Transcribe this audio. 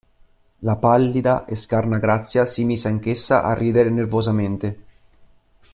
La pallida e scarna Grazia si mise anch'essa a ridere nervosamente.